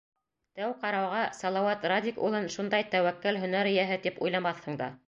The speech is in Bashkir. Тәү ҡарауға Салауат Радик улын шундай тәүәккәл һөнәр эйәһе тип уйламаҫһың да.